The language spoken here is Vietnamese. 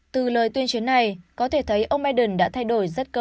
từ lời tuyên chiến này có thể thấy ông biden đã thay đổi rất cơ hội